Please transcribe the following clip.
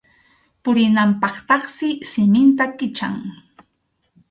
Purinanpaqtaqsi siminta kichan.